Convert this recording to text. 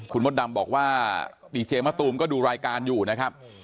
คุณมดดำบอกว่าดีเจมะตูมก็ดูรายการอยู่นะครับ